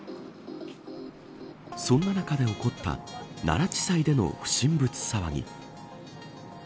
そんな中で起こった奈良地裁での不審物騒ぎ。